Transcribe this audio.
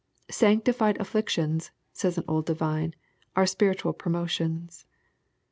"Sanctified afflic tions," says an old divine, "are spiritual promotions."